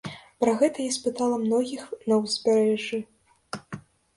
Пра гэта я спытала многіх на ўзбярэжжы.